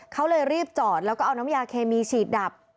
เขาเลยรีบจอดแล้วก็เอาน้ำยาเคมีฉีดดับ